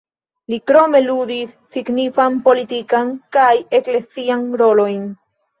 Li krome ludis signifan politikan kaj eklezian rolojn.